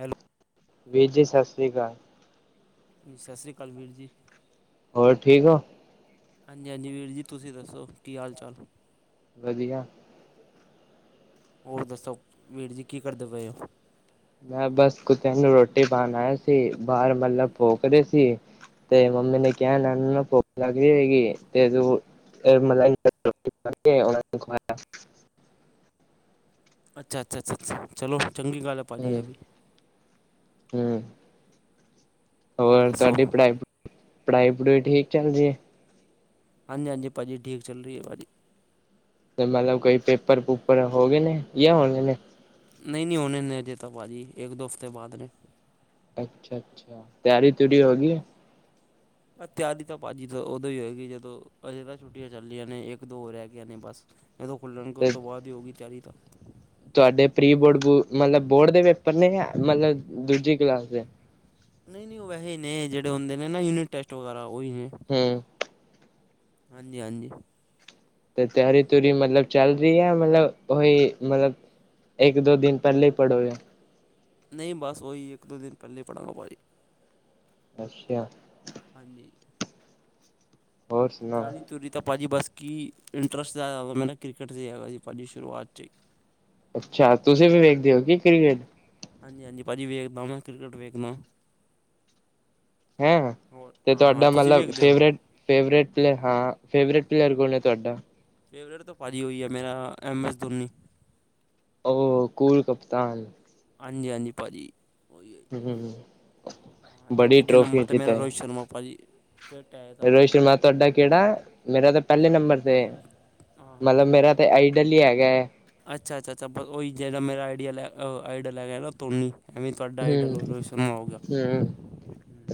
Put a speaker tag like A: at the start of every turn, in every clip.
A: Hello
B: ਵੀਰ ਜੀ ਸਤਿ ਸ਼੍ਰੀ ਅਕਾਲ।
A: ਜੀ ਸਤਿ ਸ਼੍ਰੀ ਅਕਾਲ ਵੀਰ ਜੀ।
B: ਹੋਰ ਠੀਕ ਓ?
A: ਹਾਂਜੀ -ਹਾਂਜੀ ਵੀਰ ਜੀ। ਤੁਸੀਂ ਦੱਸੋ ਕੀ ਹਾਲ- ਚਾਲ?
B: ਵਧੀਆ।
A: ਹੋਰ ਦੱਸੋ, ਵੀਰ ਜੀ ਕੀ ਕਰਦੇ ਪਏ ਓ?
B: ਮੈਂ ਬਸ ਕੁਤਿਆਂ ਨੂੰ ਰੋਟੀ ਪਾਣ ਆਯਾ ਸੀ। ਬਾਹਰ ਮਲਬ ਭੋਕ ਰੇ ਸੀ। ਤੇ ਮੰਮੀ ਨੇ ਕਿਹਾ, ਐਨਾ ਨੂੰ ਨ ਭੁਖ ਲੱਗ ਰੀ ਹੋਏਗੀ ਤੇ ਤੂੰ ਫੇਰ ਮਲਾਈ ਰੋਟੀ ਉਹਨਾਂ ਨੂੰ ਖਵਾਇਆ।
A: ਅੱਛਾ -ਅੱਛਾ -ਅੱਛਾ। ਚਲੋ ਚੰਗੀ ਗੱਲ ਐ ਭਾਜੀ
B: ਹੂੰ
A: ਐਵੀ।
B: ਹੂੰ, ਹੋਰ ਤੁਹਾਡੀ ਪੜ੍ਹਾਈ ਪੜ੍ਹਾਈ -ਪੜੂਈ ਠੀਕ ਚੱਲ ਰਹੀਏ।
A: ਹਾਂਜੀ- ਹਾਂਜੀ। ਭਾਜੀ ਠੀਕ ਚੱਲ ਰਹੀ ਭਾਜੀ।
B: ਤੇ ਮਤਲਬ ਕੋਈ ਪੇਪਰ- ਪੂਪਰ ਹੋ ਗਏ ਨੇ, ਜਾਂ ਹੋਗੇ ਨੇ।
A: ਨਹੀਂ- ਨਹੀਂ ਉਹਨੇ ਹਜੇ ਭਾਜੀ, ਇੱਕ -ਦੋ ਹਫ਼ਤੇ ਬਾਅਦ ਨੇ।
B: ਅੱਛਾ- ਅੱਛਾ। ਤਿਆਰੀ -ਤਉਰੀ ਹੋ ਗਈ।
A: ਬ ਤਿਆਰੀ ਤਾਂ ਭਾਜੀ ਤਾਂ ਉਦੋਂ ਹੀ ਹੋਏਗੀ ਜਦੋਂ, ਅਜੇ ਤਾਂ ਛੁੱਟੀਆਂ ਚੱਲੀਆਂ ਨੇ ਇੱਕ- ਦੋ ਹੋ ਰਹਿ ਗਈਆਂ ਨੇ ਬਸ। ਇਹਦੋਂ ਖੁੱਲ੍ਹਣਗੇ ਉਹ
B: ਤੇ
A: ਤੋਂ ਬਾਅਦ ਹੀ ਹੋਊਗੀ ਤਿਆਰੀ ਤਾਂ।
B: ਤੁਹਾਡੇ ਪ੍ਰੀ ਬੋਰਡ ਮਤਲਬ ਬੋਰਡ ਦੇ ਪੇਪਰ ਨੇ, ਮਤਲਬ ਦੂਜੀ ਕਲਾਸ ਦੇ।
A: ਨਹੀਂ -ਨਹੀਂ ਉਹ ਵੈਸੇ ਨੇ, ਜਿਹੜੇ ਹੁੰਦੇ ਨੇ ਨਾ ਯੂਨਿਟ ਟੈਸਟ ਵਗੈਰਾ, ਉਹੀ ਨੇ।
B: ਹੂੰ
A: ਹਾਂਜੀ- ਹਾਂਜੀ।
B: ਤੇ ਤਿਆਰੀ- ਤਉਰੀ ਮਤਲਬ ਚੱਲ ਰਹੀ ਹੈ ਮਤਲਬ, ਉਹੀ ਮਤਲਬ। ਇੱਕ- ਦੋ ਦਿਨ ਪਹਿਲੇ ਹੀ ਪੜੋਗੇ।
A: ਨਹੀਂ ਬਸ ਉਹੀ ਇੱਕ- ਦੋ ਦਿਨ ਪਹਿਲੇ ਹੀ ਪੜ੍ਹਾਗਾ ਭਾਜੀ।
B: ਅੱਛਾ।
A: ਹਾਂਜੀ।
B: ਹੋਰ
A: ਤਿਆਰੀ-
B: ਸੁਣਾਓ
A: ਤੁਆਰੀ ਤਾਂ ਭਾਜੀ ਬਸ ਕੀ, ਇੰਟਰਸਟ ਜ਼ਦਾਦਾ ਮੈਂ ਨਾ ਕ੍ਰਿਕਟ 'ਚ ਹੈਸੀ ਭਾਜੀ ਸ਼ੁਰੂਆਤ 'ਚ ਹੀ।
B: ਅੱਛਾ। ਤੁਸੀਂ ਵੀ ਵੇਖਦੇ ਹੋ ਕੀ ਕਿਕ੍ਰਟ।
A: ਹਾਂਜੀ- ਹਾਂਜੀ। ਭਾਅ ਜੀ ਵੇਖਦਾ ਕਿਕੇਟ ਵੇਖਦਾ।
B: ਹੈਂ।
A: ਹੋਰ
B: ਤੇ
A: ਹਾਂ ਹਾਂ
B: ਤੁਹਾਡਾ
A: ਤੁਸੀਂ
B: ਮਤਲਬ
A: ਵੇਖਦੇ ਹੋ
B: ਫੇਵਰੇਟ? ਫੇਵਰੇਟ ਪਲੇਅਰ ਹਾਂ, ਫੇਵਰੇਟ ਪਲੇਅਰ ਕੌਣ ਹੈ ਤੁਹਾਡਾ?
A: ਫੇਵਰੇਟ ਤੋਂ ਭਾਅ ਜੀ ਹੋਈ ਹੈ ਮੇਰਾ, ਐੱਮ ਐੱਸ ਧੋਨੀ।
B: ਓ ਕਲ ਕਪਤਾਨ।
A: ਹਾਂਜੀ -ਹਾਂਜੀ ਭਾਜੀ। ਉਹੀ।
B: ਹਮ
A: ਹਾਂ, ਅਤੇ
B: ਬੜੀ
A: ਦੂਜੇ
B: ਟਰੋਫੀ
A: ਨੰਬਰ 'ਤੇ ਮੇਰਾ
B: ਜਿੱਤਾ
A: ਰੋਹਿਤ
B: ਹੈ
A: ਸ਼ਰਮਾ ਭਾਜੀ। ਫਿੱਟ ਹੈ ਇਹ ਤਾਂ
B: ਰੋਹਿਤ
A: ਆਪਣਾ
B: ਸ਼ਰਮਾ ਤੁਹਾਡਾ ਕਿਹੜਾ, ਮੇਰਾ ਤਾਂ ਪਹਿਲੇ ਨੰਬਰ ਤੇ
A: ਹਾਂ ਹਾਂ
B: ਮਤਲਬ ਮੇਰਾ ਅਤੇ ਆਈਡਲ ਹੀ ਹੈਗਾ ਹੈ।
A: ਅੱਛਾ- ਅੱਛਾ- ਅੱਛਾ। ਬ ਜਿਹੜ ਮੇਰਾ ਆਈਡੀਆ ਲੈ, ਆਈਡਆ ਲੈ ਗਿਆ ਨਾ ਧੋਨੀ। ਐਵੇਂ ਤੁਹਾਡਾ ਆਈਡਲ ਰੋਹੀਤ ਸਰਮਾ ਆਊਗਾ।
B: ਹੂੰ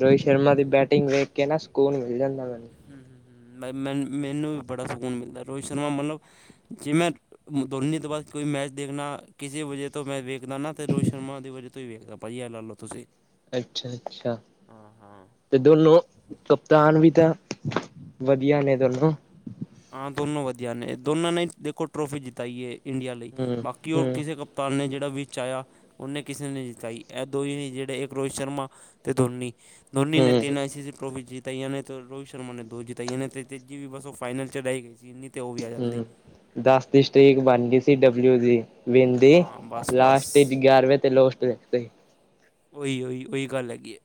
B: ਰੋਹਿਤ ਸ਼ਰਮਾ ਦੀ ਬੈਟਿੰਗ ਵੇਖ ਕੇ ਨਾ ਸਕੋਨ ਮਿਲ ਜਾਂਦਾ ਮੈਨੂੰ।
A: ਹੂੰ-ਹੂੰ, ਮੈ ਮੈਨੂੰ ਵੀ ਬੜਾ ਸਕੂਨ ਮਿਲਦਾ ਰੋਹਿਤ ਸ਼ਰਮਾ ਮਤਲਬ, ਜਿਵੇੈਂ ਦੋਨੀ ਤੋਂ ਬਾਅਦ ਕੋਈ ਮੈਚ ਦੇਖਣਾ, ਕਿਸੇ ਵਜ੍ਹੇ ਤੋਂ ਮੈਂ ਵੇਖਦਾ ਨਾ ਤੇ ਰੋਹਿਤ ਸ਼ਰਮਾ ਦੀ ਵਜੇ ਤੋਂ ਹੀ ਵੇਖਦਾ ਭਾਜੀ ਐ ਲਾਲੋ। ਤੁਸੀਂ?
B: ਅੱਛਾ -ਅੱਛਾ।
A: ਹਾਂ ਹਾਂ
B: ਤੇ ਦੋਨੋ ਦਾਨ ਵੀ ਤਾਂ ਵਧੀਆ ਨੇ ਦੋਨੋ।
A: ਹਾਂ। ਦੋਨੋਂ ਵਧੀਆ ਨੇ, ਦੋਨਾਂ ਨੇ ਦੇਖੋ ਟਰੋਫੀ ਜਿਤਾਈ ਹੈ ਇੰਡੀਆ ਲਈ,
B: ਹੂੰ,
A: ਬਾਕੀ ਹੋਰ
B: ਹੂੰ,
A: ਕਿਸੇ ਕੱ ਤਾਨ ਨੇ ਜਿਹੜਾ ਵਿਚ ਆਇਆ ਉਹਨੇ ਕਿਸੇ ਨੇ ਜਿਤਾਈ ਇਹ ਦੋ ਹੀ ਨੇ ਜਿੜੇ ਇੱਕ ਰੋਹਿਤ ਸ਼ਰਮਾ ਤੇ ਧੋਨੀ। ਧੋਨੀ ਨੇ
B: ਹੂੰ,
A: ਤਿੰਨ ਆਈ ਸੀਸੀ ਟਰੋਫੀ ਜਿਤਾਈ ਨੇ ਤੇ ਰੋਹਿਤ ਸ਼ਰਮ ਨੇ ਦੋ ਜਿਤਾਈਆਤੇ ਤੇ ਜਜੀ ਵੀ ਬੱਸ ਫਾਈਨਲ ਚੜ੍ਹਾਈ ਗਈ ਸੀ ਇੰਨੀ ਤੇ ਉਹ ਵੀ ਆ ਜਾਂਦੀ।
B: ਹੂੰ। ਦਸ ਦੀ ਸਟੀਕ ਬਣ ਗਈ ਸੀ ਡਬਲਿਊ ਦੀ। ਬਿੰਦੀ
A: ਹਾਂ ਬਸ ਬਸ
B: ਲਾਸਟ ਵਿੱਚ ਗਿਆਰਵੇਂ ਤੇ ਲੋਸਟ ਦਿੱਤਾ ਈ।
A: ਉਹੀ-ਉਹੀ ਉਹੀ ਗੱਲ ਹੈਗੀ ਹੈ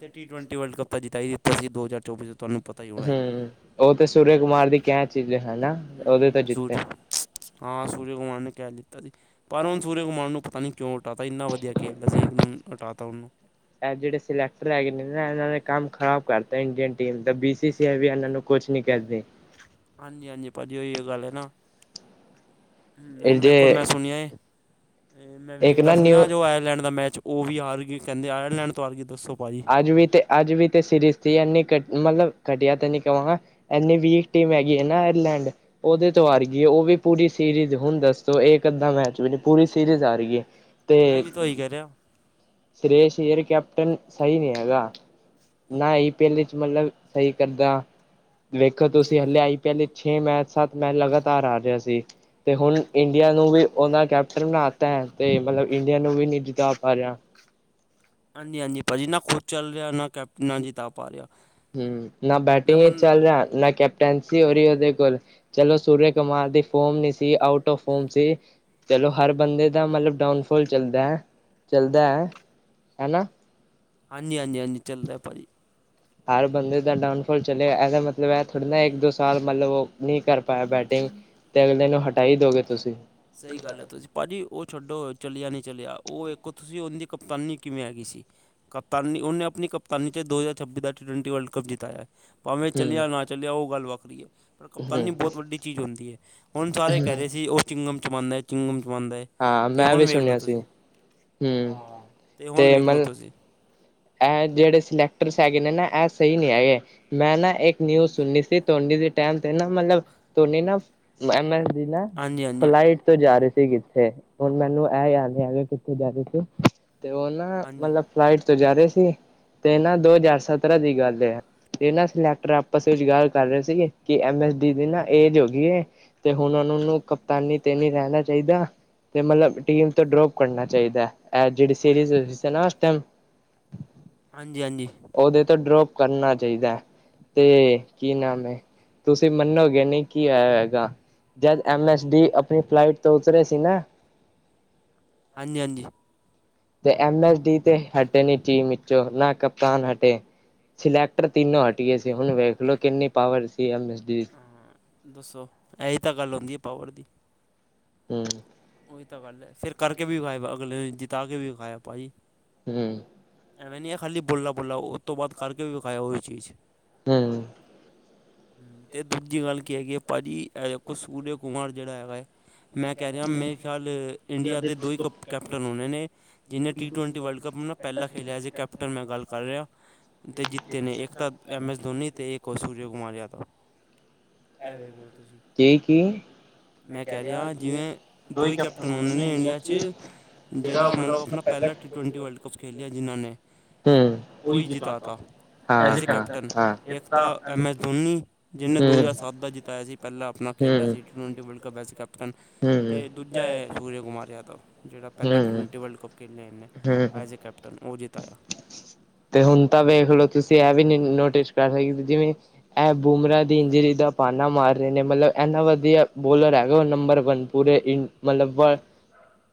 A: ਤੇ ਟੀ ਟਵੈਂਟੀ ਵਰਲਡ ਕੱਪ ਤਾਂ ਜਿਤਾਈ ਦਿੱਤਾ ਸੀ ਦੋ ਹਜ਼ਾਰ ਚੌਵੀ ਤੋ।
B: ਹਮ ਉਹ ਤੇ ਸੂਰਜ ਕੁਮਾਰ ਦੀ ਕੈਚ ਇਚ ਏ ਹਨਾ। ਉਹਦੇ ਤੋਂ
A: ਹੂੰ-ਹੂੰ
B: ਜਿੱਤੇ।
A: ਸੂਰਜ ਹਾਂ ਸੂਰਜ ਕੁਮਾਰ ਨੇ ਕੈਚ ਲਿੱਤਾ ਸੀ। ਪਰ ਹੁਣ ਸੂਰਜ ਕੁਮਾਨ ਨੂੰ ਪਤਾ ਨੀ ਕਿਉ ਹਟਾ ਤਾ ਇੰਨਾ ਵਧੀਆ ਖੇਲਦਾ ਸੀ ਇੱਕਦਮ ਹਟਾ ਤਾ ਉਹਨੂੰ।
B: ਏਹ ਜੇੜੇ ਸਿਲੈਕਟਰ ਹੈਗੇ ਨੇ ਨਾ ਇਹਨਾਂ ਨੇ ਕੰਮ ਖ਼ਰਾਬ ਕਰਤਾ ਇੰਡੀਅਨ ਟੀਮ ਦਾ ਬੀ ਸੀ ਸੀ ਆ ਵੀ ਇਹਨਾਂ ਨੂੰ ਕੁਛ ਨੀ ਕਰਦੀ।
A: ਹਾਂਜੀ-ਹਾਂਜੀ ਭਾਜੀ ਉਹੀਓ ਗੱਲ ਹੈ ਨਾ।
B: ਇਹ
A: ਹੁਣ
B: ਜੇ
A: ਵੇਖੋ ਮੈਂ ਸੁਣਿਆ ਏ ਮੈਂ
B: ਇੱਕ
A: ਵੇਖਦਾ ਸੀ
B: ਨਿਊ
A: ਨਾ ਜੋ ਆਇਰਲੈਂਡ ਦਾ ਮੈਚ ਉਹ ਵੀ ਹਾਰ ਗੀ ਕਹਿੰਦੇ ਆਇਰਲੈਂਡ ਤੋ ਹਾਰ ਗੀ ਦੱਸੋ। ਭਾਜੀ
B: ਅੱਜ ਵੀ ਤੇ ਅੱਜ ਵੀ ਤੇ ਸੀਰੀਜ਼ ਇਨੀ ਘੱਟ ਮਤਲਬ ਘਟੀਆ ਤੇ ਨੀ ਕਵਾਂਗਾ। ਇੰਨੀ ਵੀਕ ਟੀਮ ਹੈਗੀ ਹੈ ਨਾ ਆਇਲੈਂਡ। ਉਦੇ ਤੋ ਹਾਰ ਗੀ ਏ ਉਹ ਵੀ ਪੂਰੀ ਸੀਰੀਜ਼ ਹੁਣ ਦੱਸੋ ਇਹ ਅੱਧਾਂ ਮੈਚ ਵੀ ਨ ਪੂਰੀ ਸੀਰੀਜ਼ ਹਾਰ ਗਈ ਏ।
A: ਮੈਂ ਵੀ ਤਾਂ ਉਹੀ ਕਹਿ ਰਿਹਾ।
B: ਸੁਰੇਸ਼ ਏਅਰ ਕੈਪਟਨ ਸਹੀ ਨੀ ਹੈਗਾ ਨਾ ਈ ਪਹਿਲੇ ਚ ਮਤਲਬ ਸਹੀ ਕਰਦਾ ਵੇਖੋ ਤੁਸੀ ਹਲੇ ਆਈ ਪੀ ਐਲ ਛੇ ਮੈਚ, ਸੱਤ ਮੈਚ ਲਗਾਤਾਰ ਆ ਰਿਹਾ ਸੀ। ਤੇ ਹੁਣ ਇੰਡੀਆ ਨੂੰ ਵੀ ਉਹਨਾ ਕੈਪਟਨ ਬਣਾ ਤਾ ਤੇ ਮਤਲਬ ਇੰਡੀਆ ਨੂੰ ਵੀ ਨੀ ਜੀਤਾ ਪਾ ਰਿਹਾ।
A: ਹਾਂਜੀ-ਹਾਂਜੀ ਭਾ ਜੀ ਨਾ ਖੁਦ ਚੱਲ ਰਿਹਾ, ਨਾ ਕੈਪਟਨ ਨਾਲ ਜੀਤਾ ਪਾ ਰਿਹਾ।
B: ਹਮ ਨਾ
A: ਮੈਂ
B: ਬੈਟਿੰਗ ਹੀ
A: ਮੰਨ
B: ਚੱਲ ਰਿਹਾ ਨਾ ਕੈ ਟੈਂਸੀ ਹੋ ਰਹੀ ਉਹਦੇ ਕੋਲ, ਚਲੋ ਸੂਰਿਆ ਕੁਮਾਰ ਦੀ ਫੋਮ ਨੀ ਸੀ ਆਊਟ ਆਫ ਫੋਮ ਸੀ। ਚਲੋ ਹਰ ਬੰਦੇ ਦਾ ਮਤਲਬ ਡਾਊਨਫਾਲ ਚੱਲਦਾ, ਚੱਲਦਾ ਹਨਾ।
A: ਹਾਂਜੀ-ਹਾਂਜੀ, ਹਾਂਜੀ ਚਲਦਾ ਭਾਜੀ।
B: ਹਰ ਬੰਦੇ ਦਾ ਡਾਊਨਫਾਲ ਚੱਲਿਆ ਐਦਾ ਮਤਲਬ ਇਹ ਥੋੜੀ ਨਾ ਇੱਕ, ਦੋ ਸਾਲ ਮਤਲਬ ਉਹ ਨੀ ਕਰ ਪਾਇਆ ਬੈਟਿੰਗ ਤੇ ਅਗਲੇ ਨੂੰ ਹਟਾ ਈ ਦੋਗੇ ਤੁਸੀਂ।
A: ਸਹੀ ਗੱਲ ਹੈ ਤੁਸੀਂ ਭਾਜੀ ਉਹ ਛੱਡੋ, ਚਲਿਆ ਨੀ ਚਲਿਆ ਉਹ ਏਕੋ ਤੁਸੀਂ ਉਹਦੀ ਕਪਤਾਨੀ ਕਿਵੇਂ ਹੈਗੀ ਸੀ। ਕਪਤਾਨੀ ਉਹਨੇ ਆਪਣੀ ਕਪਤਾਨੀ ਚ ਦੋ ਹਜ਼ਾਰ ਛੱਬੀ ਦਾ ਟੀ ਟਵਟੀ ਵਰਲਡ ਕਪ ਜਿਤਾਇਆ। ਭਾਵੇਂ
B: ਹੂੰ
A: ਚੱਲਿਆ ਨਾ ਚੱਲਿਆ ਉਹ ਗੱਲ ਵੱਖਰੀ ਏ। ਪਰ
B: ਹੂੰ
A: ਕਪਤਾਨੀ ਬੌਤ ਵੱਡੀ ਚੀਜ਼ ਹੁੰਦੀ ਹੈ ਹੁਣ ਸਾਰੇ ਕਹਿ
B: ਹੂੰ
A: ਰਹੇ ਸੀ ਉਹ ਚਿੰਗਮ ਚਬਾਂਦਾ ਹੈ ਚਿੰਗਮ ਚਬਾਂਦਾ ਹੈ।
B: ਹਾਂ
A: ਤੇ
B: ਮੈਂ
A: ਹੁਣ
B: ਵੀ
A: ਵੇਖਲੋ
B: ਸੁਣਿਆ ਸੀ
A: ਤੁਸੀ
B: ਹੂੰ
A: ਹਾਂ ਤੇ ਹੁਣ ਵੇਖਲੋ ਤੁਸੀ।
B: ਇਹ ਜਿੜੇ ਸਿਲੈਕਟਰਸ ਹੈਗੇ ਨੇ ਨਾ, ਇਹ ਸਹੀ ਨੀ ਹੈਗੇ। ਮੈਂ ਨਾ ਇੱਕ ਨਿਊਜ਼ ਸੁਣੀਨੀ ਸੀ ਧੋਨੀ ਦੇ ਟੈਮ ਤੇ ਨਾ ਮਤਲਬ ਧੋਨੀ ਨਾ ਨਾ
A: ਹਾਂਜੀ ਹਾਂਜੀ
B: ਫਲਾਈਟ ਤੋਂ ਜਾ ਰਹੇ ਸੀ ਕਿੱ ਥੇ ਹੁਣ ਮੈਨੂੰ ਇਹ ਯਾਦ ਨੀ ਹੈਗਾ ਕਿੱਥੇ ਜਾ ਰੇ ਸੀ, ਤੇ ਉਹ ਨਾ
A: ਹਾਂਜੀ
B: ਮਤਲਬ ਫਲਾਈਟ ਤੋਂ ਜਾ ਰਹੇ ਸੀ, ਤੇ ਨਾ ਦੋ ਹਜ਼ਾਰ ਸਤਰਾਂ ਦੀ ਗੱਲ ਏ ਐ। ਤੇ ਨਾ ਸਿਲੈਕਟਰ ਆਪਸ ਵਿੱਚ ਗੱਲ ਕਰ ਰਹੇ ਸੀਗੇ, ਕਿ ਐਮ ਐਸ ਡੀ ਦੀ ਨਾ ਏਜ ਹੋ ਗੀ ਏ। ਤੇ ਹੁਣ ਉਹ ਨੂੰ ਕਪਤਾਨੀ ਤੇ ਨੀ ਰਹਿਣਾ ਚਾਹੀਦਾ। ਤੇ ਮਤਲਬ ਟੀਮ ਤੋਂ ਡਰੋਪ ਕਰਨਾ ਚਾਹੀਦਾ ਏ ਜਹੜੀ ਸੀਰੀਜ਼ ਹੋ ਰੀ ਸੀ ਨਾ ਉਸ ਟਾਈਮ।
A: ਹਾਂਜੀ-ਹਾਂਜੀ।
B: ਓਦੇ ਤੋਂ ਡਰੋਪ ਕਰਨਾ ਚਾਇਦਾ ਤੇ ਕੀ ਨਾਮ ਏ, ਤੁਸੀਂ ਮੰਨੋਗੇ ਨੀ ਕੀ ਆਇਆ ਹੋਏਗਾ? ਜਦ ਐਮ ਐਸ ਡੀ ਆਪਣੀ ਫਲਾਈਟ ਤੋਂ ਉਤਰੇ ਸੀ ਨਾ
A: ਹਾਂਜੀ-ਹਾਂਜੀ।
B: ਤੇ ਐਮ ਐਸ ਡੀ ਤੇ ਹਟੇ ਨੀ ਟੀਮ ਚੋਂ, ਨਾ ਕਪਤਾਨ ਹਟੇ ਸਿਲੈਕਟਰ ਤਿੰਨੋਂ ਹਟ ਗੇ ਸੀ, ਹੁਣ ਵੇਖਲੋ ਕਿੰਨੀ ਪਾਵਰ ਸੀ ਐਮ ਐਸ ਡੀ
A: ਦੱਸੋ, ਐਈ ਤਾਂ ਗੱਲ ਹੁੰਦੀ ਏ ਪਾਵਰ ਦੀ
B: ਹੂੰ।
A: ਓਈ ਤਾਂ ਗੱਲ ਏ, ਫਿਰ ਕਰਕੇ ਵੀ ਵਿਖਾਇਆ ਅਗਲੇ ਨੇ ਜਿੱਤਾ ਕੇ ਵੀ ਵਿਖਾਇਆ ਪਾਜੀ
B: ਹੂੰ।
A: ਐਵੇਂ ਨੀ ਐ ਖਾਲੀ ਬੋਲਣਾ-ਬੋਲਣਾ ਉਸ ਤੋਂ ਬਾਅਦ ਕਰਕੇ ਵੀ ਵਿਖਾਇਆ ਓਹੀ ਚੀਜ਼
B: ਹਾਂ
A: ਤੇ ਦੂਜੀ ਗੱਲ ਕੀ ਹੈਗੀ ਪਾਜੀ, ਐ ਸੂਰਯ ਕੁਮਾਰ ਜੇੜਾ ਹੈਗਾ ਐ ਮੈਂ ਕੈ ਰਿਹਾ, ਮੇਰੇ ਖਿਆਲ ਇੰਡੀਆ ਦੇ ਦੋ ਈ ਕੈਪਟਨ ਹੋਣੇ ਨੇ ਜਿਨੇ ਟੀ-ਟਵੈਂਟੀ ਵਰਲਡ ਕੱਪ ਨਾ ਪੈਂਲਾ ਖੇਲਿਆ ਐਜ਼ ਏ ਕੈਪਟਨ ਮੈਂ ਗੱਲ ਕਰ ਰਿਹਾ ਤੇ ਜਿੱਤੇ ਨੇ ਇੱਕ ਤਾਂ ਐਮ ਐਸ ਧੋਨੀ ਤੇ ਇੱਕ ਓ ਸੂਰਓ- ਕੁਮਨ ਯਾਥਰਾ ਐ ਵੇਖ ਲੋ ਤੁਸੀਂ
B: ਕੀ ਕੀ
A: ਮੈਂ ਕੈ ਰੇਆ ਜਿਵੇ ਦੋ ਈ ਕੇਪਟਨ ਹੋਣੇ ਨੇ ਇੰਡੀਆ ਚ ਜੇੜਾ ਮਤਲਬ ਅਪਨਾ ਪੈਲਾ ਟੀ-ਟਵੰਟੀ ਵਰਲਡ- ਕੱਪ ਖੇਲੇਆ ਜਿਨ੍ਹਾਂ ਨੇ
B: ਹੂੰ
A: ਓਹੀ ਜਿਤਾ ਤਾ,
B: ਹਾਂ
A: ਐਜ ਏ
B: ਹਾਂ
A: ਕੈਪਟਨ
B: ਹਾਂ
A: ਇੱਕ ਤਾਂ ਐਮ
B: ਹੂੰ
A: ਐਸ ਧੋਨੀ ਜਿਨੇ ਦੋ
B: ਹੂੰ
A: ਹਜ਼ਾਰ ਸਤ ਦਾ ਜਿਤਾਆ ਸੀ, ਪੈਲਾਂ ਆਪਣਾ ਖੇਲਾ ਸੀ ਟੀ ਟਵੈਂਟੀ ਵਰਲਡ ਕਪ ਬੈਸ ਕਪ ਤੇ
B: ਹੂੰ
A: ਦੂਜਾ ਹੈ ਸੂਰਯਾ ਕੁਮਾਰ ਯਾਦਵ ਜੇੜਾ ਪੈਲਾ
B: ਹੂੰ
A: ਟਵੈਂਟੀ ਵਰਲਡ ਕਪ ਖੇਡੇ ਹੋਏ ਨੇ
B: ਹੂੰ
A: ਐਜ਼ ਏ ਕੈਪਟਨ, ਓ ਜਿਤਾਯਾ
B: ਤੇ ਹੁਣ ਤਾਂ ਵੇਖਲੋ, ਤੁਸੀਂ ਐ ਵੀ ਨੀ ਨੋਟਿਸ ਕਰ ਸਕੇ ਜਿਵੇਂ ਐ ਬੂਮਰਾ ਦੀ ਇੰਜਰੀ ਦਾ ਭਾਨਾ ਮਾਰ ਰਹੇ ਨੇ, ਮਤਲਬ ਇੰਨਾ ਵਧੀਆ ਬੋਲਰ ਹੈਗਾ, ਓ ਨੰਬਰ ਵਨ ਪੂਰੇ ਇਨ ਮਤਲਬ ਵਲ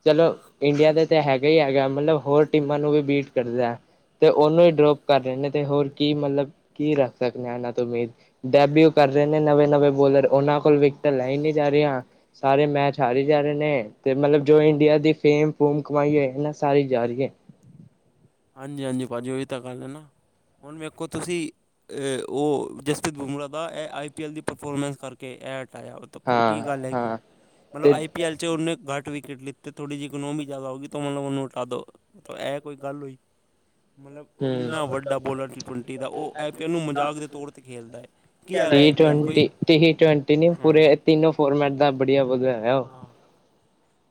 B: ਚਲੋ ਇੰਡੀਆ ਦੇ ਤਾਂ ਹੈਗਾ ਹੀ ਹੈਗਾ, ਮਤਲਬ ਹੋਰ ਟੀਮਾਂ ਨੂੰ ਵੀ ਬੀਟ ਕਰਦਾ। ਤੇ ਓਨੂੰ ਈ ਡਰੋਪ ਕਰ ਰੇ ਨੇ ਤੇ ਹੋਰ ਕੀ ਮਤਲਬ ਕੀ ਰੱਖ ਸਕਣੇ ਆ ਏਨਾਂ ਤੋਂ ਉਮੀਦ ਡੈਬਿਊ ਕਰ ਰੇ ਨੇ ਨਵੇਂ-ਨਵੇਂ ਬੋਲਰ ਓਨਾਂ ਕੋਲ ਵਿਕਟਾ ਲੈ ਈ ਨੀ ਜਾ ਰੀਆਂ ਸਾਰੇ ਮੈਚ ਹਾਰੀ ਜਾ ਰੇ ਨੇ, ਤੇ ਮਤਲਬ ਜੋ ਇੰਡੀਆ ਦੀ ਫੇਮ ਫੂਮ ਕਮਾਈ ਹੈਗੀ ਏ ਨਾ, ਸਾਰੀ ਜਾ ਰੀ ਏ।
A: ਹਾਂਜੀ-ਹਾਂਜੀ ਪਾਜੀ ਓ ਤਾਂ ਗੱਲ ਏ ਨਾ, ਹੁਣ ਵੇਖੋ ਤੁਸੀਂ ਏ ਓ ਜਸਪ੍ਰੀਤ ਬੁਮਰਾ ਦਾ ਆਈ ਪੀ ਐੱਲ ਦੀ ਪਰਫੋਰਮੈਂਸ ਕਰਕੇ ਐ ਹਟਾਯਾ- ਤੱਕੋ ਕੀ ਗੱਲ ਹੈਗੀ?
B: ਹਾਂ-ਹਾਂ
A: ਮਤਲਬ
B: ਤੇ
A: ਆਈ ਪੀ ਐਲ ਚ ਓਨੇ ਘੱਟ ਵਿਕਟ ਲਿੱਤੇ ਥੋੜ੍ਹੀ ਇੱਕਨੋਮੀ ਜ਼ਿਆਦਾ ਹੋ ਗਈ ਮਤਲਬ ਓਨੂੰ ਹਟਾ ਦੋ। ਤਾਂ ਐ ਕੋਈ ਗੱਲ ਹੋਈ ਮਤਲਬ
B: ਹੂੰ
A: ਓ ਏਨਾ ਵੱਡਾ ਬੋਲਰ ਟੀ-ਟਵੰਟੀ ਦਾ ਓ ਆਈ ਪੀ ਐੱਲ ਨੂੰ ਮਜ਼ਾਕ ਦੇ ਤੌਰ ਤੇ ਖੇਲਦਾ ਏ।
B: ਟੀ-ਟਵੰਟੀ, ਟੀ-ਟਵੰਟੀ ਨੀ
A: ਹਾਂ
B: ਪੂਰੇ ਤਿੰਨੋ ਫੋਰਮੈਟ ਦਾ ਬੜੀਆ ਵਧਆ ਓ
A: ਹਾਂ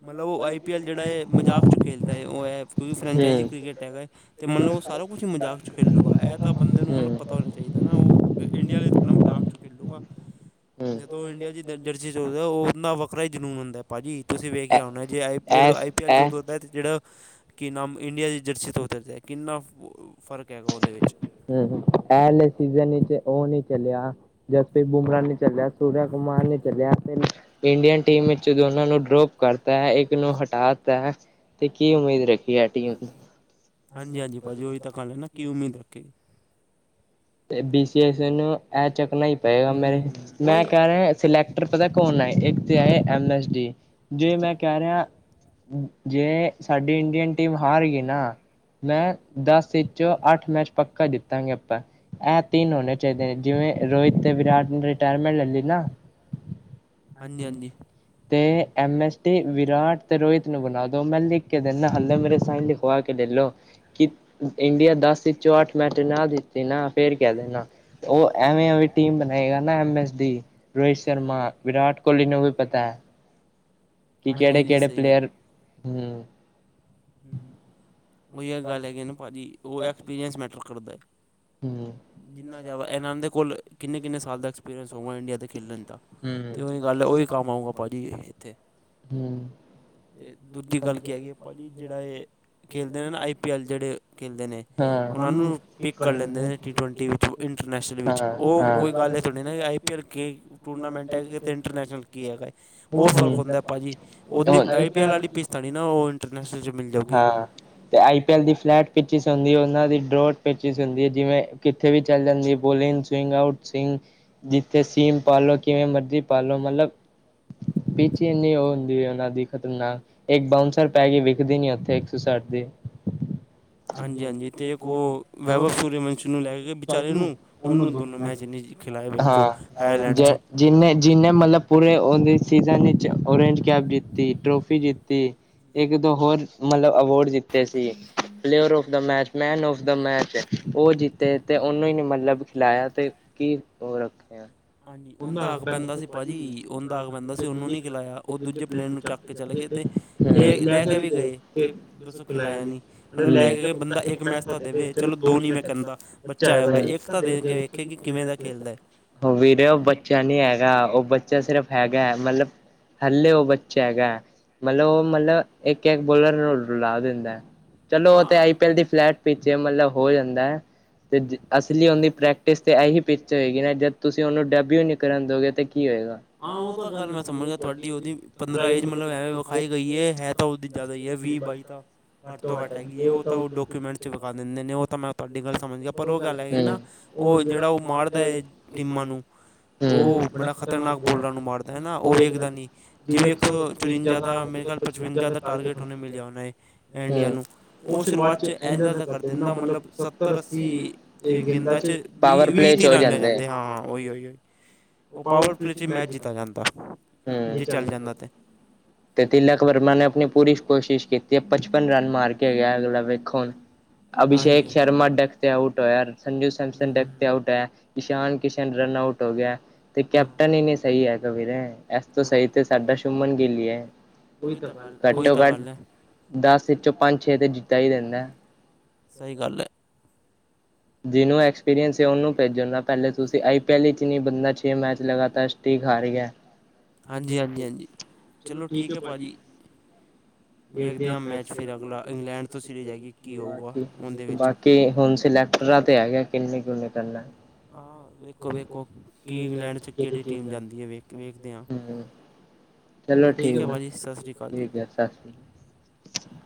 A: ਮਤਲਬ ਓ ਆਈ ਪੀ ਐੱਲ ਜੇੜਾ ਏ ਮਜ਼ਾਕ ਚ ਖੇਲਦਾ ਏ ਓ ਐ ਦੂਸਰੀ ਫਰੈਂਚਾਈਜੀ
B: ਹੂੰ
A: ਕ੍ਰਿਕੇਟ ਹੈਗਾ ਮਤਲਬ ਓ ਸਾਰਾ ਕੁੱਛ ਈ ਮਜ਼ਾਕ ਚ ਖੇਲੂਗਾ ਐ ਤਾਂ ਬੰਦੇ ਨੂੰ ਮਤਲਬ
B: ਹੂੰ
A: ਪਤਾ ਹੋਨਾ ਚਾਇਦਾ ਨਾ ਓ ਇੰਡੀਆ ਚ ਥੌੜਾ ਨਾ ਮਜ਼ਾਕ ਚ ਖੇਲੁਗਾ
B: ਹੂੰ
A: ਜਦੋਂ ਇੰਡੀਆ ਚ ਜ ਜਰਸੀ ਹੋਜੇ ਓਨਾ ਵੱਖਰਾ ਹੀ ਜਨੂਨ ਹੁੰਦਾ ਪਾਜੀ ਤੁਸੀ
B: ਐ
A: ਵੇਖਿਆ ਹੌਨਾ ਜੇ ਆਈ P
B: S
A: I P L ਚ
B: ਐ
A: ਉੱਦੋ ਦੈਥ ਜੇੜਾ ਕਿ ਨਾਮ ਇੰਡੀਆ ਦੀ ਜਰਸੀ ਤੋਂ ਉਤਰ ਦੇ ਕਿੰਨਾ ਫ਼ਰਕ ਹੈਗਾ ਓਦੇ ਵਿੱਚ
B: ਹੂੰ-ਹੂੰ ਐਲੇ ਸੀਜ਼ਨ ਚ ਓ ਨੀ ਚਲਆ ਜਸਪ੍ਰੀਤ ਬੁਮਰਾ ਨੀ ਚੱਲਿਆ, ਸੂਰਯ ਕੁਮਾਰ ਨੀ ਚਲਿਆ ਆਪਣੇ ਇੰਡੀਅਨ ਟੀਮ ਵਿੱਚ ਦੋਨਾਂ ਨੂੰ ਡਰੋਪ ਕਰਤਾ ਹੈ, ਇੱਕ ਨੂੰ ਹਟਾਤਾ ਹੈ। ਤੇ ਕੀ ਉਮੀਦ ਰੱਖੀ ਐਟੀਔ। ਤੇ
A: ਹਾਂਜੀ- ਹਾਂਜੀ ਭਾਅ ਜੀ ਉਹੀ ਤਾਂ ਗਲ ਹੈ, ਨਾ ਕੀ ਉਮੀਦ ਰੱਖੇ ਜੀ।
B: ਤੇ ਬੀ ਸੀ ਐ ਨੂੰ ਇਹ ਚੱਕਣਾ ਹੀ ਪਏਗਾ, ਮੈਂ-
A: ਹੂੰ ਹੂੰ
B: ਮੈਂ
A: ਉਹੀ
B: ਕਹਿ ਰਿਹਾ ਸਿਲੈਕਟਰ ਪਤਾ ਕੌਣ ਆਏ, ਇੱਕ ਤਾਂ ਆਏ ਐੱਮ ਐੱਸ ਡੀ, ਜੇ ਮੈਂ ਕਹਿ ਰਿਹਾ ਜੇ ਸਾਡੀ ਇੰਡੀਅਨ ਟੀਮ ਹਾਰ ਗਈ ਨਾ। ਮੈਂ ਦਸ ਵਿੱਚ ਅੱਠ ਮੈਚ ਪੱਕਾ ਜਿਤਾਂਗੇ ਆਪਾਂ। ਇਹ ਤਿੰਨ ਹੋਨੇ ਚਾਹੀਦੇ ਨੇ, ਜਿਵੇਂ ਰੋਹਿਤ ਤੇ ਵਿਰਾਟ ਨੇ ਰਿਟਾਇਰਮੈਂਟ ਲੈ ਲਈ ਨਾ।
A: ਹਂਨਜੀ ਹਂਨਜੀ।
B: ਤੇ ਐੱਮ ਐੱਸ ਟੀ ਵਿਰਾਟ ਅਤੇ ਰੋਹਿਤ ਨੂੰ ਬਣਾ ਦੋ ਮੈਂ ਲਿਖ ਕੇ ਦਿੰਦਾ ਹਾਲੇ ਮਰੇ ਸਾਈਨ ਲਿਖਵਾ ਕੇ ਲੈ ਲਓ। ਕਿ, ਇੰਡੀਆ ਦਸ ਵਿੱਚੋਂ ਅੱਠ ਮੈਚ ਨਾ ਜਿਤੇ ਨਾ ਫੇਰ ਕਹਿ ਦੇਣਾ। ਉਹ ਐਵੇਂ -ਐਵੇਂ ਟੀਮ ਬਣਾਏਗਾ ਨਾ ਐਮ ਐਸ ਦੀ। ਰੋਹਿਤ ਸ਼ਰਮਾ, ਵਿਰਾਟ ਕੋਹਲੀ ਨੂੰ ਵੀ ਪਤਾ। ਕਿ
A: ਹਾਂਜੀ
B: ਕਿਹੜੇ-
A: ਹਾਂਜੀ
B: ਕਿਹੜੇ
A: ਸਹੀ
B: ਪਲੇਅਰ। ਹੂ
A: ਹੂ, ਉਹੀ ਗੱਲ ਹੈ ਕਿ ਨਾ ਭਾਜੀ ਉਹ ਐਕਸਪੀਰੀਅੰਸ ਮੈਟਰ ਕਰਦਾ ਹੈ।
B: ਹੂ
A: ਕਿੰਨਾ ਜ਼ਿਆਦਾ ਇਹਨਾਂ ਦੇ ਕੋਲ ਕਿੰਨੇ- ਕਿੰਨੇ ਸਾਲ ਦਾ ਐਕਸਪੀਰੀਅੰਸ ਹੋਗਾ ਇੰਡੀਆ ਦੇ ਖੇਲਣ ਦਾ। ਅਤੇ ਉਹੀ ਗੱਲ ਉਹੀ ਕੰਮ ਆਊਗਾ
B: ਹੂ-
A: ਭਾਜੀ
B: ਹੂ
A: ਤੇ ਦੂਜੀ ਗੱਲ ਕੀ ਹੈ ਕਿ ਭਾਅ ਜੀ ਜਿਹੜਾ, ਇਹ ਖੇਡਦੇ ਨੇ ਨਾ ਆਈ ਪੀ ਐੱਲ ਜਿਹੜੇ ਕਹਂਦੇ ਨੇ, ਉਹਨਾਂ ਨੂੰ ਪਿਕ ਕਰ ਲੈਂਦੇ ਨੇ। ਟੀ-ਟਵੈਂਟੀ ਵਿੱਚ ਇੰਟਰਨੈਸ਼ਨਲ ਵਿੱਚ, ਉਹ
B: ਕੋਈ
A: ਗੱਲ ਇਹ ਨਾ ਕਿ ਆਈ ਪੀ ਐੱਲ ਕੇ ਟੂਰਨਾਮੈਂਟ ਆਏਗਾ ਤੇ ਇੰਟਰਨੈਸ਼ਨਲ ਕੀ ਹੈਗਾ, ਬੌਤ ਫਰਕ ਹੁੰਦੈ ਭਾਜੀ। ਓਹਦੀ ਆਈ ਪੀ ਐਲ ਆਲੀ ਪਿ ਤਨੀ ਨਾ ਓ ਇੰਟਰਨੈਸ਼ਨਲ ਚ' ਮਿਲ ਜਾਊਗੀ।
B: ਹਾਂ। ਤੇ ਆਈ ਪੀ ਐੱਲ ਦੀ ਫਲੈਟ ਪਿਚਿਸ ਹੁੰਦੀ ਏ, ਓਨਾ ਦੀ ਡਰੋਟ ਪਿਚਿਸ ਹੁੰਦੀ ਏ, ਜਿਵੇਂ ਕਿੱਥੇ ਵੀ ਚੱਲ ਜਾਂਦੀ ਏ ਬੋਲਿੰਗ। Swing out swing. ਜਿੱਥੇ ਸੀਮ ਪਾਲੋ, ਕਿਵੇਂ ਮਰਜ਼ੀ ਪਾਲੋ ਮਲਬ ਪਿੱਚ ਈ ਇਨੀ ਓ ਹੁੰਦੀ ਏ ਓਨਾਂ ਦੀ ਖ਼ਤਰਨਾਕ। ਏੱਕ ਬਾਊਂਂਸਰ ਪੈ ਗੀ ਵਿਖਦੀ ਨੀ ਓਥੇ, ਇੱਕ ਸੌ ਸੱਠ ਦੇ। ਹਾਂਜੀ- ਹਾਂਜੀ। ਜੇ
A: ਅਤੇ ਇੱਕ
B: ਓ
A: ਉਹ ਵੈਭਵ ਸੂਰਯਵੰਸ਼ੀ ਨੂੰ ਲੈ ਕੇ ਵਿਚਾਰੇ ਨੂੰ
B: [unintelligible] ਓਨੂੰ
A: ਉਹਨੂੰ
B: ਦੋਨੋਂ ਮੈ ਦੇ
A: ਮੈਚ ਨਹੀਂ ਖਿਲਾਏ ਵੇਖੋ
B: ਹਾਂ।
A: ਆਇਰਲੈਂਡ
B: ਜੈ
A: 'ਚ
B: ਜਿਨੇ -ਜਿਨੇ ਮਤਲਬ ਪੂਰੇ ਓੰਦੇ ਸੀਜ਼ਨ ਇਚ ਓਰੇਂਜ ਕੈਬ ਜਿੱਤੀ, ਟਰੋਫੀ ਜਿੱਤੀ। ਇੱਕ- ਦੋ ਹੋਰ ਮਤਲਬ ਅਵੋਰਡ ਜਿੱਤੇ ਸੀ। Player of the match man of the match, ਓ ਜਿੱਤੇ ਤੇ ਓਨੂੰ ਹੀ ਨੀ ਮਤਲਬ ਖਿਲਾਯਾ ਤੇ ਕੀ ਓਹ ਰੱਖੇਗਾ।
A: ਹਾਂਜੀ, ਓੰਦਾ ਹੱਕ ਪੈਂਦਾ ਸੀ ਭਾਜੀ, ਓੰਦਾ ਹੱਕ ਪੈਂਦਾ ਸੀ ਓਨੂੰ ਨੀ ਖਿਲਾਯਾ। ਓ ਦੂਜੇ ਪਲੇਅਰ ਨੂੰ ਚੱਕ ਕੇ ਚਲੇ ਗਏ ਤੇ ਲੇ ਲੈ ਕੇ ਵੀ ਗਏ ਤੇ ਦੱਸੋ ਖਿਲਾਯਾ ਨੀ। ਮਤਲਬ ਲੈ ਕੇ ਗਏ, ਬੰਦਾ ਇੱਕ ਮੈਸ ਤਾਂ ਦੇਵੇ, ਚਲੋ ਦੋ ਨੀ ਮੈਂ ਕੈੰਦਾ। ਬੱਚਾ ਆਯਾ ਵਾ ਇੱਕ ਤਾਂ ਦੇ ਕੇ ਵੇਖੇ ਕਿ ਕਿਵੇਂ ਦਾ ਖੇਲਦਾ।
B: ਹੋ ਵੀਰੇ ਓ ਬੱਚਾ ਨੀ ਹੈਗਾ, ਓਹ ਬੱਚਾ ਸਿਰਫ਼ ਹੈਗੈ ਮਤਲਬ ਹਲੇੇ ਓ ਬੱਚਾ ਹੈਗੈ। ਮਤਲਬ ਓਹ ਮਤਲਬ ਏਕ-ਏਕ ਬੋਲਰ ਨੂੰ ਰੁਲਾ ਦਿੰਦੈ। ਚਲੋ ਓ ਤੇ
A: ਹਾਂ
B: ਆਈ ਪੀ ਐਲ ਦੀ ਫਲੈਟ ਪਿੱਚ ਏ, ਮਤਲਬ ਹੋ ਜਾਂਦੈ। ਤੇ ਜਿ ਅਸਲੀ ਓੰਦੀ ਪ੍ਰੈਕ ਕਿਸ ਤੇ ਐਹੀ ਪਿਚ ਹੋਏਗੀ ਨਾ, ਜਦ ਤੁਸੀਂ ਓਨੂੰ ਡੈਬਿਊ ਨੀ ਕਰਨ ਦੋਗੇ, ਤੇ ਕੀ ਹੋਏਗਾ?
A: ਹਾਂ, ਓ ਤਾਂ ਗੱਲ ਮੈਂ ਸਮਝ ਗਾ ਤੁਹਾਡੀ ਓਹਦੀ ਪੰਦਰਾਂ ਏਜ ਮਤਲਬ ਐਵੇਂ ਵਿਖਾਈ ਗਈ ਏ, ਹੈ ਤਾਂ ਉਦੀ ਜੈਦਾ ਹੀ ਐ, ਵੀਹ- ਬਾਈ ਤਾਂ ਘੱਟ ਤੋਂ ਘੱਟ ਹੈਗੀ ਏ। ਓਹ ਤਾਂ ਉਹ ਡਾਕੂਮੈਂਟ 'ਚ ਵਿਖਾ ਦਿੰਦੇ ਨੇ ਓਹ ਤਾਂ ਮੈਂ ਤੁਆਡੀ ਗੱਲ ਸਮਝ ਗਿਆ। ਪਰ ਓ ਗੱਲ ਹੈਗੀ ਨਾ। ਓਹ ਜੇੜਾ ਉਹ ਮਾਰਦਾ ਏ ਟੀਮਾਂ ਨੂੰ ਓਹ ਬੜਾ ਖਤਰਨਾਕ ਬੋਲਾਂ ਨੂੰ ਮਾਰਦਾ ਏ ਨਾ ਓਹ ਵੇਖਦਾ ਨੀ ਜਿਵੇਂ ਇੱਕ ਚੁਰਿੰਜਾ ਦਾ ਮੇਰੇ ਖਿਆਲ ਪਚਵੰਜਾ ਦਾ ਟਾਰਗੇਟ ਹੁਣੇ ਮਿਲਿਆ ਹੁੰਨਾ
B: ਜਾਣਾ
A: ਹੋਣਾ ਏ ਇੰਡੀਆ ਨੂੰ ਓ ਸ਼ੁਰੂਆਤ ਚ ਐੰਝਾ ਦਾਂ ਕਰ ਦੇੰਦਾ ਮਤਲਬ ਸੱਤ ਤਰ ਅੱਸੀ ਏ ਗੇਦਾ ਚ ਬੀਹ ਵੀਹ ਤੀਹ ਰਣ ਰੈ ਜਾਂਦੇ ਹਾਂ। ਓਹੀ-ਓਈ ਓ ਪਾਵਰਫੁਲੇਚੀ ਮੈਚ ਜਿੱਤਾ ਜਾਂਦਾ ਅ
B: ਨਹੀਂ
A: ਜੇ ਚੱਲ ਜਾਂਦਾ ਤੇ।
B: ਤੇ ਤਿਲਕ ਵਰਮਾ ਨੇ ਅਪਣੀ ਪੂਰੀ ਕੋਸ਼ਿਸ਼ ਕੀਤੀ ਏ ਪਚਪਨ ਰਨ ਮਾਰ ਕੇ ਗਿਆ ਅਗਲਾ ਵੇਖੋ ਹੁਣ।
A: ਹਾਂਜੀ
B: ਅਭਿਸ਼ੇਕ
A: ਹਾਂਜੀ
B: ਸ਼ਰਮਾ ਡੈਕ ਤੇ ਆਊਟ ਹੋਯੈ, ਸੰਜੂ ਸੈਮਸਨ ਡੈਕ ਤੇ ਆਊਟ ਹੋਯੈ, ਈਸ਼ਾਨ ਕਿਸ਼ ਰਨ ਆਊਟ ਹੋ ਗਿਆ ਤੇ
A: ਹਾਂ
B: ਕੈਪਟਨ ਹੀ ਨੀ ਸਹੀ ਹੈਗਾ ਵੀਰੇ। ਐਸ ਤੋ ਸਹੀ ਤੇ ਸੈਡਾ ਸ਼ੁੰਮਨ ਗਿਲ ਈ ਏ
A: ਉਹੀ ਤਾਂ ਗੱਲ ਉਹੀ ਤਾਂ
B: ਘੱਟੋ-ਘੱਟ
A: ਗੱਲ ਹੈ
B: ਦੱਸ ਇੱਚੋਂ ਪੰਜ-ਛੇ ਤੇ ਜਿੱਤਾ ਈ ਦੇਂਦਾ।
A: ਸਹੀ ਗੱਲ ਐ।
B: ਜਿਹਨੂੰ ਐਕਸਪੀਰੀਅੰਸ ਏ ਓਹਨੂੰ ਭੇਜੋ ਨਾ ਪੈਲੇ ਤੁਸੀਂ ਆਈ ਪੀ ਐਲ ਇਚ ਨੀ ਬੰਦਾ ਛੇ ਮੈਚ ਲਗਾਤਾਰ ਸਟੀਕ ਹਾਰ ਗਿਆ। [inaudible]
A: ਹਾਂਜੀ-ਹਾਂਜੀ, ਹਾਂਜੀ ਚਲੋ ਠੀਕ ਐ ਭਾਜੀ। ਵੇਖਦੇ ਆਂ ਮੈਚ ਫਿਰ ਅਗਲਾ ਇੰਗਲੈਂਡ ਤੋਂ ਸੀਰੀਜ਼ ਹੈਗੀ ਏ ਕੀ ਹੋਊਗਾ ਓਦੇ ਵੇਚ।
B: ਕਿ ਹੁਣ ਸਿਲੈਕਟਰਾਂ ਤੇ ਹੈਗੈ ਕਿੰਨੇ-ਕਿਨੇ ਕਰਨੇ।
A: ਆਹ ਵੇਖੋ
B: ਵੇਖੋ-ਵੇਖੋ,
A: ਵੇਖੋ
B: ਕਿ ਇੰਗਲੈਂਡ ਚ ਕੇੜੀ
A: ਕਿਹੜੀ
B: ਟੀਮ
A: ਹੈ ਵੇਖ ਵੇਖਦੇ ਹਾਂ
B: ਜਾਂਦੀ ਹੂੰ। ਚਲੋ ਠੀਕ
A: ਹੈ
B: ਏ
A: ਭਾਅ ਜੀ ਸਤਿ ਸ਼੍ਰੀ ਅਕਾਲ ਜੀ
B: ਠੀਕ ਐ ਸਸ ਸ੍ਰੀ